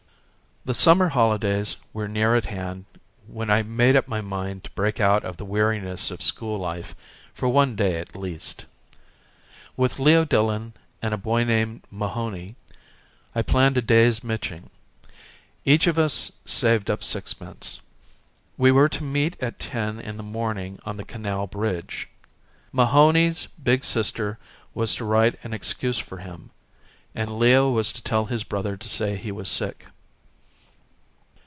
The summer holidays were near at hand when I made up my mind to break out of the weariness of school life for one day at least. With Leo Dillon and a boy named Mahony I planned a day's miching. Each of us saved up sixpence. We were to meet at ten in the morning on the Canal Bridge. Mahony's big sister was to write an excuse for him and Leo Dillon was to tell his brother to say he was sick.